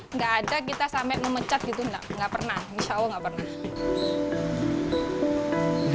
enggak ada kita sampai memecat gitu enggak enggak pernah